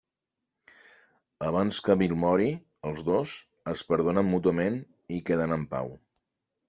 Abans que Bill mori, els dos es perdonen mútuament i queden en pau.